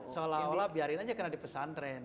seolah olah biarin aja kena di pesan tren